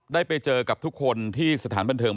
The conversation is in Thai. ได้ไปเจอกับทุกคนที่สถานบันเทิง